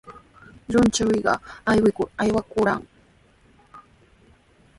Lluychuqa aywikur aywakurqan.